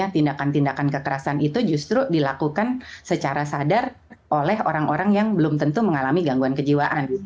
tindakan tindakan kekerasan itu justru dilakukan secara sadar oleh orang orang yang belum tentu mengalami gangguan kejiwaan